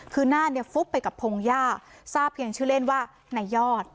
พื้นหน้าฟุกไปกับพงศ์ย่าทราบเพียงชื่อเล่นว่านายอด